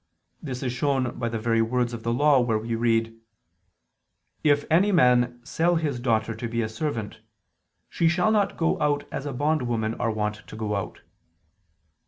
This is shown by the very words of the Law, where we read: "If any man sell his daughter to be a servant, she shall not go out as bondwomen are wont to go out."